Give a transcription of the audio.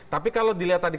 tapi kalau dilihat tadi